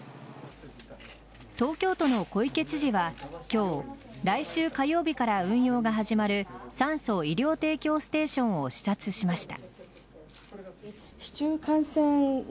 東京都の小池知事は今日、来週火曜日から運用が始まる酸素・医療提供ステーションを視察しました。